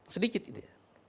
sedikit itu ya